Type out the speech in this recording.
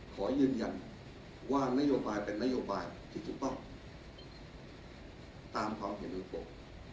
ขอยืนยันว่านโยบายเป็นนโยบายที่ถูกต้องตามความเห็นของผม